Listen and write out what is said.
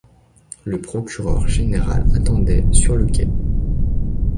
Le procureur général attendait sur le quai.